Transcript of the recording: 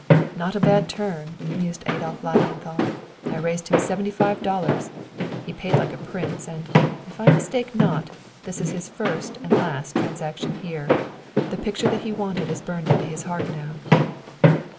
"Not a bad turn," mused Adolf Lilienthal. "I raised him seventy five dollars! He paid like a prince, and, if I mistake not, this is his first and last transaction here. The picture that he wanted is burned into his heart now."